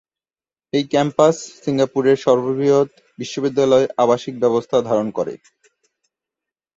এই ক্যাম্পাস সিঙ্গাপুরের সর্ববৃহৎ বিশ্ববিদ্যালয়-আবাসিক ব্যবস্থা ধারণ করে।